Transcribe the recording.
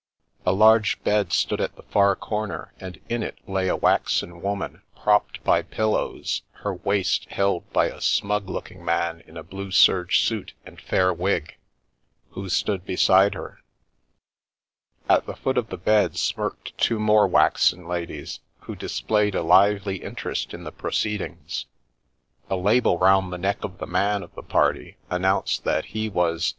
A large bed stood at the far corner and in it lay a waxen woman, propped by pillows, her waist held by a smug looking man in a blue serge suit and fair wig, who stood beside her. At the foot of the bed smirked two more waxen ladies, who displayed a lively interest in the proceedings. A label round the neck of the man of the party announced that he was "J!